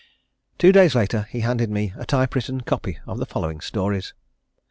Two days later he handed me a type written copy of the following stories.